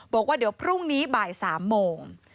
บอกว่าเดี๋ยวพรุ่งนี้บ่าย๓โมง